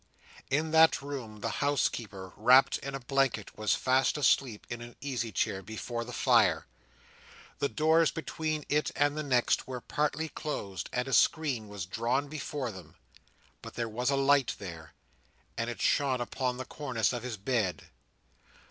In that room, the housekeeper wrapped in a blanket was fast asleep in an easy chair before the fire. The doors between it and the next were partly closed, and a screen was drawn before them; but there was a light there, and it shone upon the cornice of his bed.